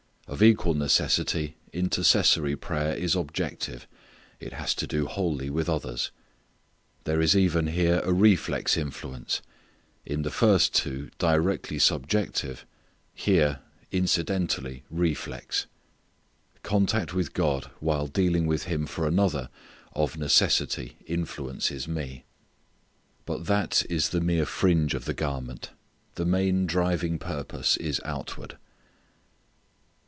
Of equal necessity intercessory prayer is objective; it has to do wholly with others. There is even here a reflex influence; in the first two directly subjective; here incidentally reflex. Contact with God while dealing with Him for another of necessity influences me. But that is the mere fringe of the garment. The main driving purpose is outward.